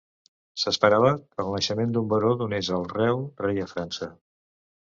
S'esperava que el naixement d'un baró donés el reu rei a França.